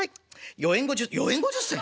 ４円５０銭４円５０銭！？